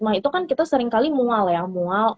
mah itu kan kita seringkali mual ya mual